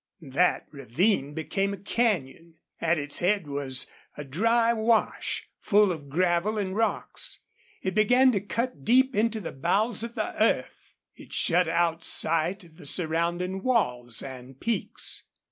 That ravine became a canyon. At its head it was a dry wash, full of gravel and rocks. It began to cut deep into the bowels of the earth. It shut out sight of the surrounding walls and peaks.